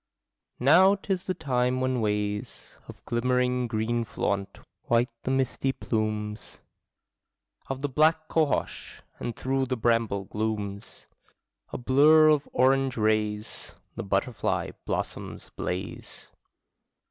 Now 'tis the time when ways Of glimmering green flaunt white the misty plumes Of the black cohosh; and through bramble glooms, A blur of orange rays, The butterfly blossoms blaze.